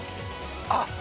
あっ！